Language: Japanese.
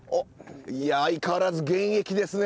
いや相変わらず現役ですね。